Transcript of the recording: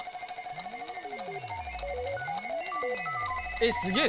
えっすげえ！